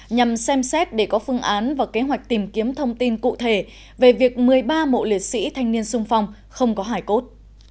nhằm xem xét để có phương án và kế hoạch tìm kiếm thông tin cụ thể về việc một mươi ba mộ liệt sĩ thanh niên sung phong không có hải cốt